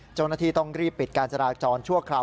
เจ้าหน้าที่ต้องรีบปิดการจราจรชั่วคราว